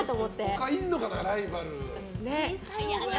他にいるのかな、ライバル。